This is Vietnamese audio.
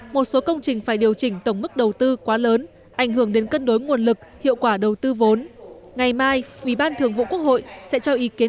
một số công trình phải điều chỉnh tổng mức đầu tư quá lớn ảnh hưởng đến cân đối nguồn lực hiệu quả đầu tư vốn